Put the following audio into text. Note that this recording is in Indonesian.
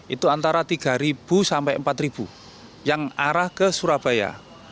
itu antara tiga sampai empat yang arah ke surabaya